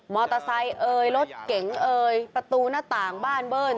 มอเตอร์ใส่รถเก๋งประตูหน้าต่างบ้านเบิ้ล